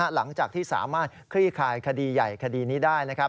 หลังจากที่สามารถคลี่คลายคดีใหญ่คดีนี้ได้นะครับ